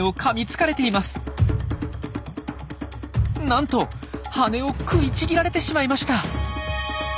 なんと羽を食いちぎられてしまいました。